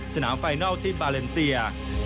ไฟนัลที่บาเลนเซีย